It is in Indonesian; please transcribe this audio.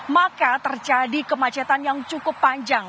maka terjadi kemacetan yang cukup panjang